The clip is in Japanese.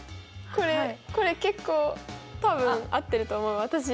これこれ結構多分合ってると思う私。